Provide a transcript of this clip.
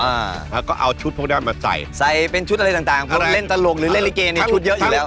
อ่าแล้วก็เอาชุดพวกนั้นมาใส่ใส่เป็นชุดอะไรต่างต่างคนเล่นตลกหรือเล่นลิเกเนี่ยชุดเยอะอยู่แล้ว